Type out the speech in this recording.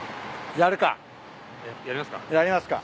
やりますか？